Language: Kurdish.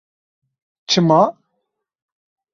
Çima?